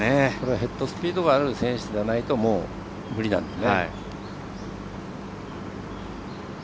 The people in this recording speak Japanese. ヘッドスピードがある選手じゃないと無理ですね。